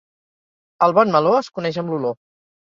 El bon meló es coneix amb l'olor.